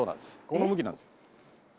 この向きなんです。